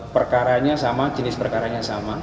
perkaranya sama jenis perkaranya sama